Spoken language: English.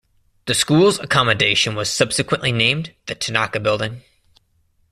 The school's accommodation was subsequently named "the Tanaka Building".